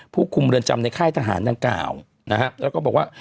ผู้คุมเรือนจำในค่ายทหารดังกล่าวนะฮะแล้วก็บอกว่า